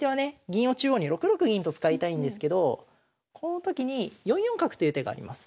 銀を中央に６六銀と使いたいんですけどこの時に４四角という手があります。